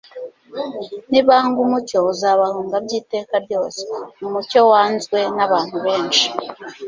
Nibanga umucyo, uzabahunga by'iteka ryose. Umucyo wanzwe n'abantu benshi;